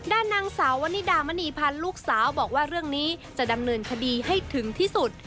ด้านนางสาววนิดามณีพันธ์ลูกสาวบอกว่าเรื่องนี้จะดำเนินคดีให้ถึงที่สุด